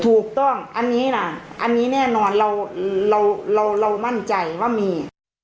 ถูกต้องอันนี้ล่ะอันนี้แน่นอนเรามั่นใจว่ามี